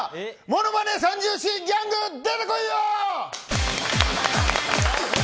ものまね三銃士ギャング出てこいよ！